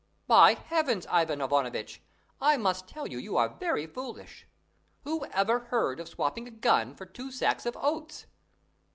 "By Heaven, Ivan Ivanovitch, I must tell you you are very foolish! Who ever heard of swapping a gun for two sacks of oats?